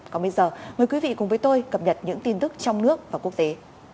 còn bây giờ mời quý vị cùng với tôi cập nhật những tin tức trong nước và quốc tế